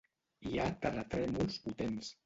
Hi ha terratrèmols potents.